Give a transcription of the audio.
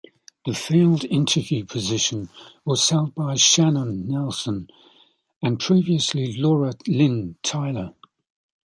The field interviewer position was held by Shannon Nelson, and previously Laura-Lynn Tyler.